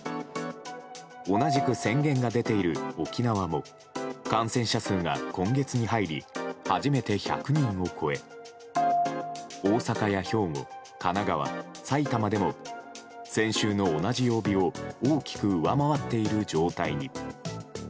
同じく宣言が出ている沖縄も感染者数が今月に入り初めて１００人を超え大阪や兵庫、神奈川、埼玉でも先週の同じ曜日を大きく上回っている状態に。